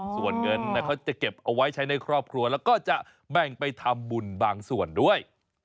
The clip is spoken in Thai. ส่วนเงินเขาจะเก็บเอาไว้ใช้ในครอบครัวแล้วก็จะแบ่งไปทำบุญบางส่วนด้วย